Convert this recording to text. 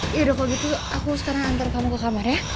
ya udah kalau gitu aku sekarang antar kamu ke kamar ya